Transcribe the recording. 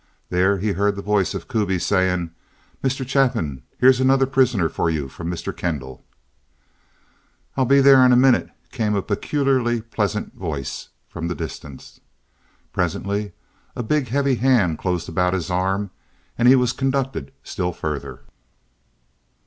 There, he heard the voice of Kuby saying: "Mr. Chapin, here's another prisoner for you from Mr. Kendall." "I'll be there in a minute," came a peculiarly pleasant voice from the distance. Presently a big, heavy hand closed about his arm, and he was conducted still further.